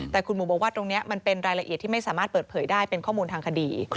แต่คุณหมูบอกว่าตรงนี้มันเป็นรายละเอียดที่ไม่สามารถเปิดเผยได้เป็นข้อมูลทางคดี